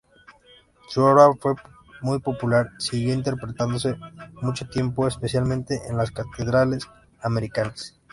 Su obra, muy popular, siguió interpretándose mucho tiempo, especialmente en las catedrales americanas.